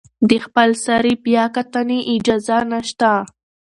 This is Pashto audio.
د خپلسرې بیاکتنې اجازه نشته.